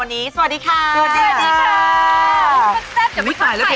เป็นอย่างไรครับ